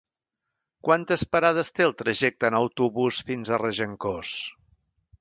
Quantes parades té el trajecte en autobús fins a Regencós?